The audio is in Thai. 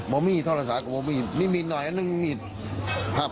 บ่มี่โทรสับบ่มี่ส่วนมีหน่อยนึงมีภัพย์